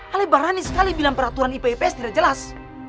alay barani sekali bilang peraturan ipa ips tidak jelas